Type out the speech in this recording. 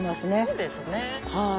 そうですね。